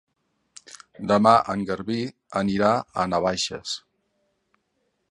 Demà en Garbí anirà a Navaixes.